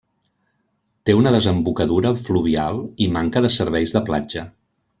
Té una desembocadura fluvial i manca de serveis de platja.